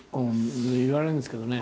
言われるんですけどね。